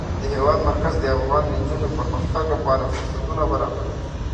د هېواد مرکز د افغان نجونو د پرمختګ لپاره فرصتونه برابروي.